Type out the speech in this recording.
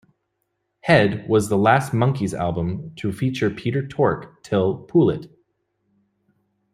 "Head" was the last Monkees album to feature Peter Tork till "Pool It!